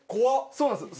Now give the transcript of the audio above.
そうなんですよ。